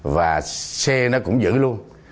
và xe nó cũng giữ luôn